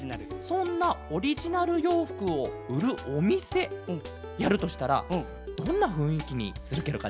そんなオリジナルようふくをうるおみせやるとしたらどんなふんいきにするケロかね？